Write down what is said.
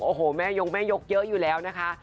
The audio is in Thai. โอ้โหแม่ยงแม่ยกเยอะอยู่แล้วนะคะ